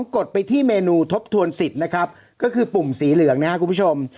กดไปที่เมนูทบทวนสิทธิ์นะครับก็คือปุ่มสีเหลืองนะครับคุณผู้ชม